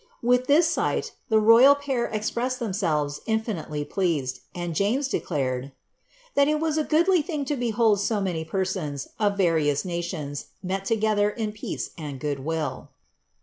With this sight the royal pair expressed themselves infinitely pleased, and James declared ^ that it was a goodly thing to behold so many persons, of various nations, met to 5 ether m peace and good will."